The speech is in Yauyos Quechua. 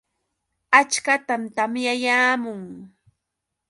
Achkatam tamyayaamun.